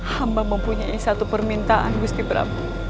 hamba mempunyai satu permintaan gusti prabu